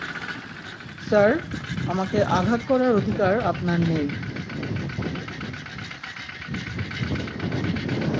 Sir, আমাকে আঘাত করার অধিকার আপনার নেই।